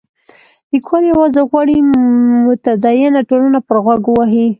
لیکوال یوازې غواړي متدینه ټولنه پر غوږ ووهي.